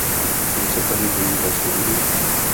Kdo se tady bojí hlasu lidu?